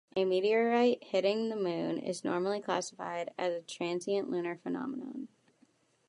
A meteorite hitting the Moon is normally classified as a transient lunar phenomenon.